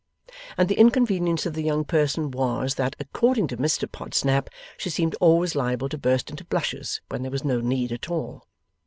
And the inconvenience of the young person was, that, according to Mr Podsnap, she seemed always liable to burst into blushes when there was no need at all.